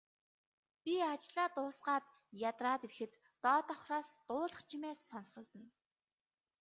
Би ажлаа дуусгаад ядраад ирэхэд доод давхраас дуулах чимээ сонсогдоно.